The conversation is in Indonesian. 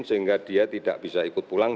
sehingga dia tidak bisa ikut pulang